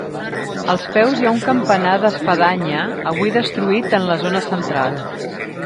Als peus hi ha un campanar d'espadanya, avui destruït en la zona central.